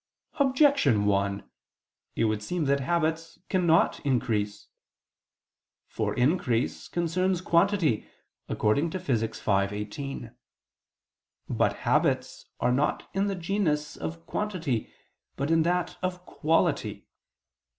Objection 1: It would seem that habits cannot increase. For increase concerns quantity (Phys. v, text. 18). But habits are not in the genus [of] quantity, but in that of quality.